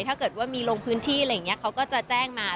ถ้าเกิดว่ามีลงพื้นที่อะไรอย่างนี้เขาก็จะแจ้งมา